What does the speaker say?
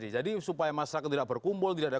jadi supaya masyarakat tidak berkumpul tidak ada